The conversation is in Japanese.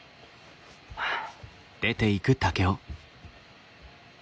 はあ。